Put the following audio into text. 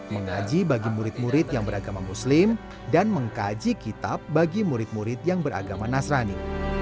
mengaji bagi murid murid yang beragama muslim dan mengkaji kitab bagi murid murid yang beragama nasrani